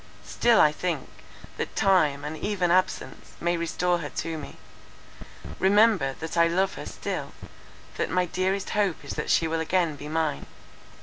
Still I think, that time, and even absence, may restore her to me. Remember, that I love her still, that my dearest hope is that she will again be mine.